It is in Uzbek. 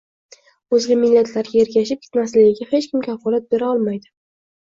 o‘zga millatlarga ergashib ketmasligiga hech kim kafolat bera olmaydi.